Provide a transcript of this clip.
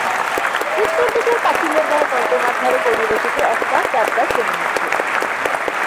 উত্তরদিকের পাঁচিলের গায়ে নর্দমার ধারে কোনোগতিকে একটা গাবগাছ জন্মেছে।